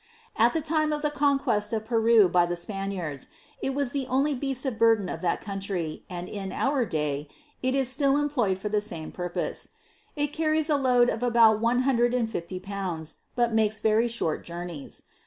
At the time of the con quest of Peru by the Spaniards, it was the only beast of burthen of that country, and in our day, it is still employed for the same purpose ; it carries a load of about one hundred and fifty pounds, but makes very short journeys.